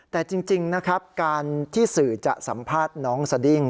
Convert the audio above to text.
แต่จริงนะครับการที่สื่อจะสัมภาษณ์น้องสดิ้ง